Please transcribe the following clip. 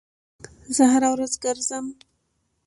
زه هر ورځ ګرځم